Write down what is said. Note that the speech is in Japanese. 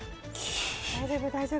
大丈夫大丈夫。